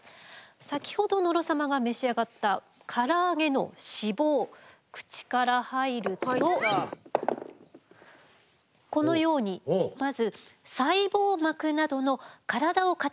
先ほど野呂様が召し上がったからあげの脂肪口から入るとこのようにまず細胞膜などの体を形づくるための材料になります。